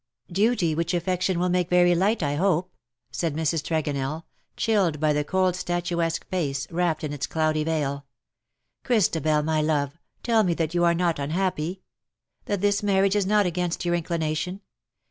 ^^Duty which affection will make very light, I hope/^ said Mrs. Tregonell, chilled by the cold statuesque face^ wrapped in its cloudy veil. "Christ abel, my love, tell me that you are not unhappy — that this marriage is not against your inclination.